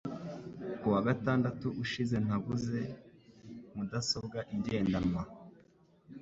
Ku wa gatandatu ushize naguze mudasobwa igendanwa (djtait)